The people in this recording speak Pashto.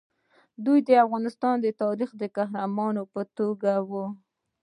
دوی د افغانستان د تاریخي قهرمانانو په توګه وو.